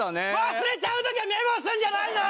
忘れちゃう時はメモするんじゃないの！？